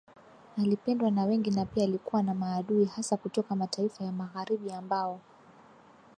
Alipendwa na wengi na pia alikuwa na maadui hasa kutoka mataifa ya Magharibi ambao